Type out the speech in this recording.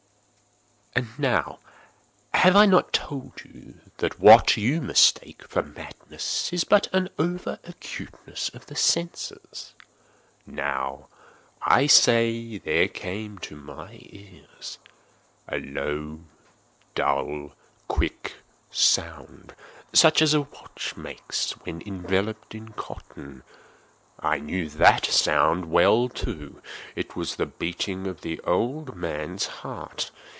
And have I not told you that what you mistake for madness is but over acuteness of the sense?—now, I say, there came to my ears a low, dull, quick sound, such as a watch makes when enveloped in cotton. I knew that sound well, too. It was the beating of the old man's heart.